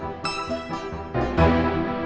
tunggu aku mau ke toilet